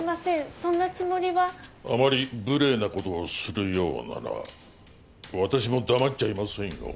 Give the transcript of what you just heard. そんなつもりはあまり無礼なことをするようなら私も黙っちゃいませんよ